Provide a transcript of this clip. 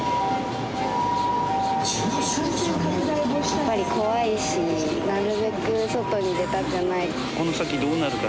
やっぱり怖いし、なるべく外この先どうなるか。